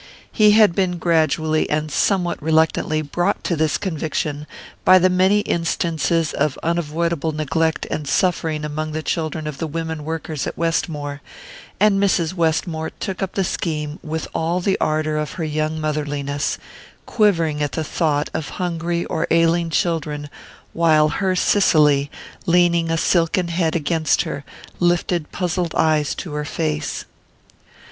He had been gradually, and somewhat reluctantly, brought to this conviction by the many instances of unavoidable neglect and suffering among the children of the women workers at Westmore; and Mrs. Westmore took up the scheme with all the ardour of her young motherliness, quivering at the thought of hungry or ailing children while her Cicely, leaning a silken head against her, lifted puzzled eyes to her face.